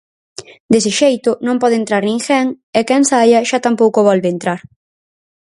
Dese xeito non pode entrar ninguén e quen saia xa tampouco volve entrar.